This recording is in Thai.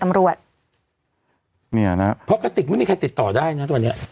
ตำรวจเนี่ยนะเพราะกระติกไม่มีใครติดต่อได้นะตอนเนี้ย